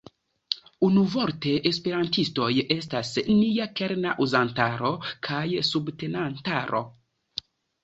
Unuvorte, esperantistoj estas nia kerna uzantaro kaj subtenantaro.